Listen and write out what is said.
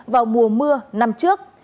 vào mùa mưa năm trước